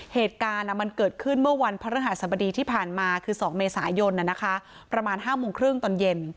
เหตุการณ์มันเกิดขึ้นเมื่อวันพระฤหัสบดีที่ผ่านมาคือ๒เมษายนประมาณ๕โมงครึ่งตอนเย็น